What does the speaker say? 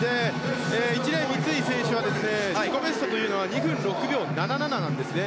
１レーン、三井選手は自己ベストは２分６秒７７なんですね。